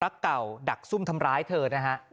เก่าดักซุ่มทำร้ายเธอนะฮะ